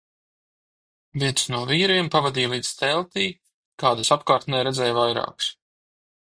Viens no vīriem pavadīja līdz teltij, kādas apkārtnē redzēju vairākas.